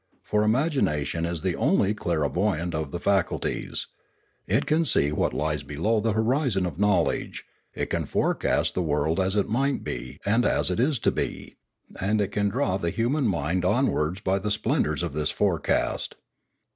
For imagination is the only clairvoyant of the faculties; it can see what lies below the horizon of knowledge; it can forecast the world as it might be and as it is to be; and it can draw the hu man mind onwards by the splendours of this forecast.